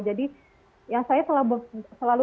jadi yang saya selalu